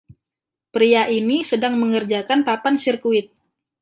Pria ini sedang mengerjakan papan sirkuit.